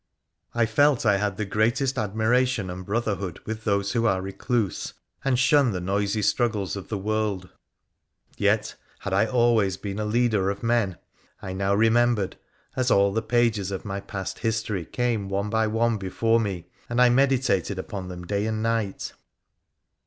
I felt I had the greatest admiration and brotherhood with those who are recluse and shun the noisy struggles of the world ; yet had I always been a leader of men, I now remem bered, as all the pages of my past history came one by one before me and I meditated upon them day and night.